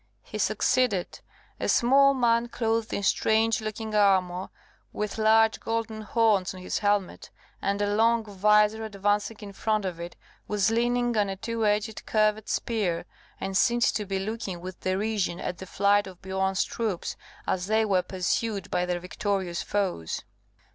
He succeeded. A small man clothed in strange looking armour, with large golden horns on his helmet, and a long visor advancing in front of it, was leaning on a two edged curved spear, and seemed to be looking with derision at the flight of Biorn's troops as they were pursued by their victorious foes.